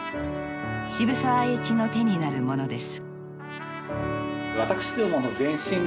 渋沢栄一の手になるものです。